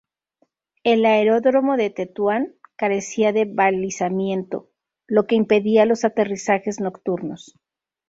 El aeródromo de Tetuán carecía de balizamiento, lo que impedía los aterrizajes nocturnos.